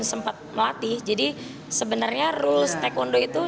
saya sempat melatih jadi sebenarnya rule taekwondo itu